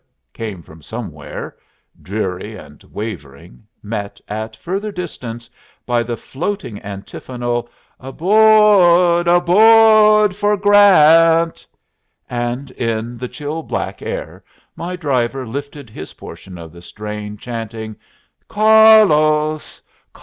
came from somewhere, dreary and wavering, met at farther distance by the floating antiphonal, "Aboa rd, aboa rd for Grant!" and in the chill black air my driver lifted his portion of the strain, chanting, "Car los!